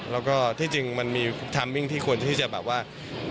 แล้วก็ที่จริงมันมีทามมิ้งที่ควรที่จะแบบว่า